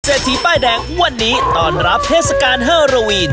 ทีป้ายแดงวันนี้ต้อนรับเทศกาลเฮอร์โรวีน